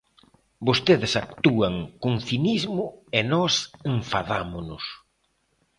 Vostedes actúan con cinismo e nós enfadámonos.